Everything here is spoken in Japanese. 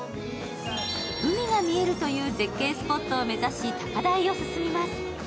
海が見えるという絶景スポットを目指し、高台を進みます。